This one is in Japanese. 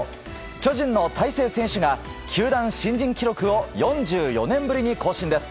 巨人の大勢選手が球団新人記録を４４年ぶりに更新です。